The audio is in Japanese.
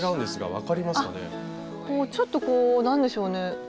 あっちょっとこうなんでしょうね